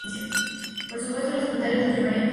Por supuesto, los unitarios lo llamarían traidor.